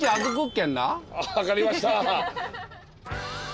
分かりました。